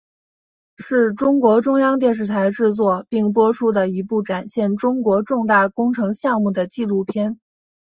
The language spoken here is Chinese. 是中国中央电视台制作并播出的一部展现中国重大工程项目的纪录片。